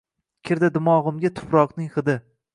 Kirdi dimog‘imga tuproqning hidi…